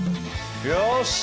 よし！